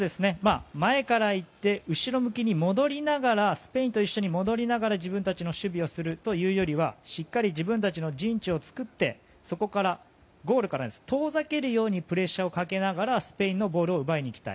前から行って後ろ向きに戻りながらスペインと一緒に戻りながら自分たちの守備をするというよりはしっかり自分たちの陣地を作ってゴールから遠ざけるようにプレッシャーをかけながらスペインのボールを奪いにいきたい。